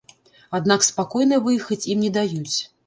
Аднак спакойна выехаць ім не даюць.